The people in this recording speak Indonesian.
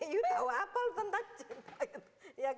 you tau apa lo tentang cinta gitu